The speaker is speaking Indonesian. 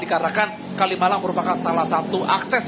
dikarenakan kalimalang merupakan salah satu akses